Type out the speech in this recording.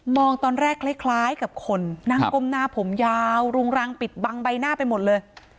ตอนแรกคล้ายกับคนนั่งก้มหน้าผมยาวรุงรังปิดบังใบหน้าไปหมดเลย